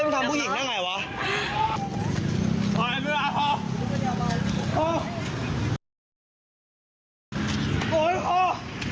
มันทำผู้หญิงได้ยังไงวะพอเรื่องเวลาพอพอ